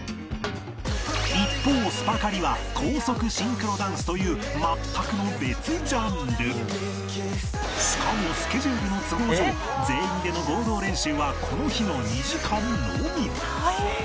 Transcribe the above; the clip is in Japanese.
一方『ＳｕｐｅｒＣａｌｉ』は高速シンクロダンスという全くの別ジャンルしかもスケジュールの都合上全員での合同練習はこの日の２時間のみ